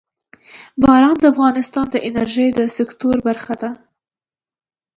باران د افغانستان د انرژۍ د سکتور برخه ده.